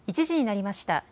１時になりました。